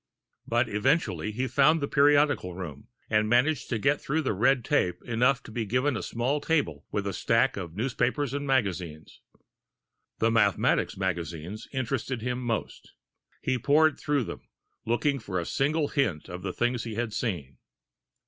But eventually, he found the periodical room, and managed to get through the red tape enough to be given a small table with a stack of newspapers and magazines. The mathematics magazines interested him most. He pored through them, looking for a single hint of the things he had seen.